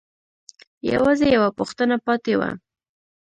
يوازې يوه پوښتنه پاتې وه.